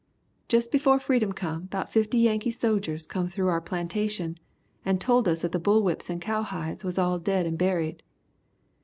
"Jus' befo' freedom comed 'bout 50 Yankee sojers come through our plantation and told us that the bull whups and cow hides was all dead and buried.